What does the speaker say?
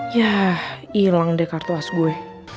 ya hilang deh kartu as gue